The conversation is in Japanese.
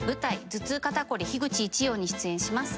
『頭痛肩こり樋口一葉』に出演します。